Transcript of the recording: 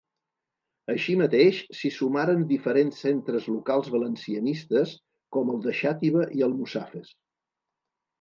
Així mateix, s'hi sumaren diferents centres locals valencianistes, com el de Xàtiva i Almussafes.